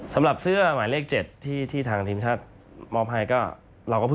สำหรับเสื้อหมายเลข๗ที่ทางทีมชาติมอบให้ก็